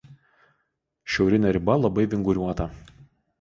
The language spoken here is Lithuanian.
Šiaurinė riba labai vinguriuota.